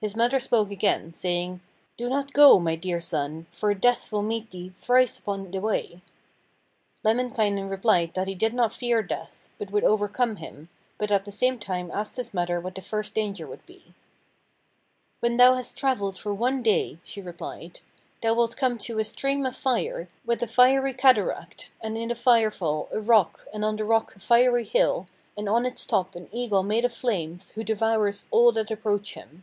His mother spoke again, saying: 'Do not go, my dear son, for Death will meet thee thrice upon the way.' Lemminkainen replied that he did not fear Death, but would overcome him, but at the same time asked his mother what the first danger would be. 'When thou hast travelled for one day,' she replied, 'thou wilt come to a stream of fire, with a fiery cataract, and in the fire fall a rock, and on the rock a fiery hill, and on its top an eagle made of flames, who devours all that approach him.'